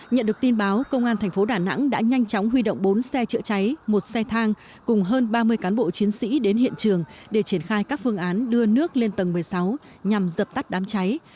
nhận được tin báo công an thành phố đà nẵng đã nhanh chóng huy động bốn xe chữa cháy một xe thang cùng hơn ba mươi cán bộ chiến sĩ đến hiện trường để triển khai các phương án đưa nước lên tầng một mươi sáu nhằm dập tắt đám cháy